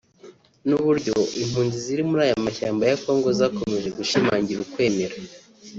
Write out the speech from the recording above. ni uburyo impunzi ziri muri aya mashyamba ya Kongo zakomeje gushimangira ukwemera